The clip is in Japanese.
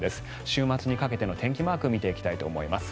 週末にかけての天気マーク見ていきたいと思います。